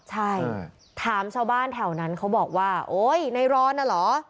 ใช่ถามชาวบ้านแถวนั้นเขาบอกว่าโอ๊ยในรอนน่ะเหรอ